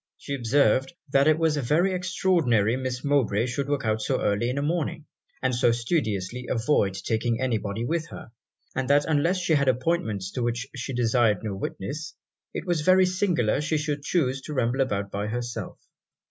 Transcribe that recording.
She observed 'that it was very extraordinary Miss Mowbray should walk out so early in a morning, and so studiously avoid taking any body with her and that unless she had appointments to which she desired no witness, it was very singular she should chuse to ramble about by herself.'